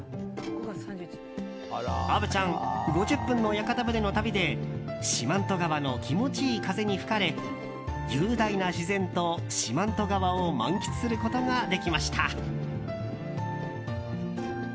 虻ちゃん、５０分の屋形船の旅で四万十川の気持ちいい風に吹かれ雄大な自然と四万十川を満喫することができました。